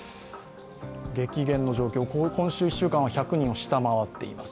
激減の状況、今週１週間は１００人を下回っています。